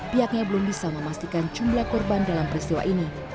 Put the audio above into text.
pihaknya belum bisa memastikan jumlah korban dalam peristiwa ini